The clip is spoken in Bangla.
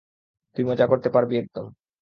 তুই মজা করতে পারবি একদম।